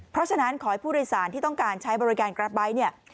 เพราะฉะนั้นขอให้ผู้โดยสารที่ต้องการใช้บริการกราฟไบท์เนี่ย